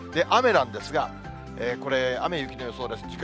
雨なんですが、これ、雨、雪の予想です。